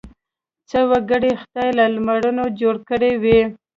څه وګړي خدای له لمرونو جوړ کړي وي.